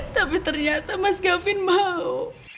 tapi ternyata mas gavin mau